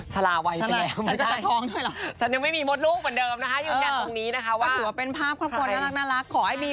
ชล่าวัยจะไหน